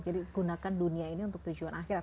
jadi gunakan dunia ini untuk tujuan akhirat